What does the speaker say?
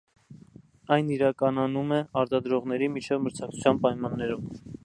Այն իրականանում է արտադրողների միջև մրցակցության պայմաններում։